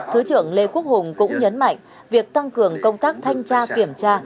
thứ trưởng lê quốc hùng cũng nhấn mạnh việc tăng cường công tác thanh tra kiểm tra